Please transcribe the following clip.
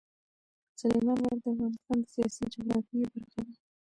سلیمان غر د افغانستان د سیاسي جغرافیه برخه ده.